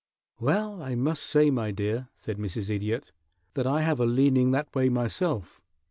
"Well, I must say, my dear," said Mrs. Idiot, "that I have a leaning that way myself.